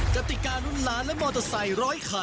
จติกาลุ้นร้านและมอเตอร์ไซค์